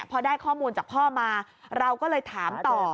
พอได้ข้อมูลจากพ่อมาเราก็เลยถามต่อ